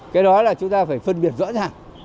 cái đó là chúng ta phải phân biệt rõ ràng